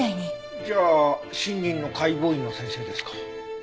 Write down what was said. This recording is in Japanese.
じゃあ新任の解剖医の先生ですか。